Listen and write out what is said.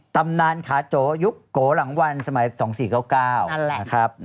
ตำนานขาโจยุกโกหลังวันสมัย๒๔๙๙นะครับ